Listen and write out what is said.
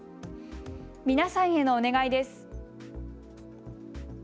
皆さんへのお願いです。